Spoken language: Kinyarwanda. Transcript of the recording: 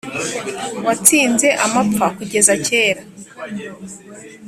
watsinze amapfa kugeza kera